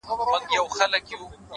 هره ورځ د ودې امکان لري’